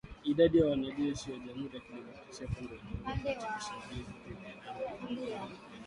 Idadi ya wanajeshi wa Jamuhuri ya Kidemokrasia ya Congo waliouawa katika shambulizi dhidi ya kambi zao haijajulikana